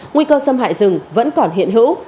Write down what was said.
nguy cơ xâm hại rừng vẫn còn hiện hữu